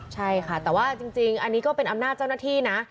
ใช่ค่ะแต่ว่าจริงอันนี้ก็เป็นอำนาจเจ้าหน้าที่นะ